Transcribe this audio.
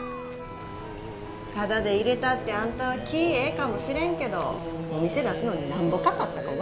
タダで入れたってあんたは気ぃええかもしれんけどお店出すのになんぼかかったか分かってんのかいな。